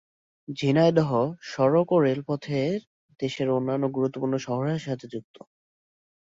ঝিনাইদহ সড়ক ও রেল পথে দেশের অন্যান্য গুরুত্বপূর্ণ শহরের সাথে যুক্ত।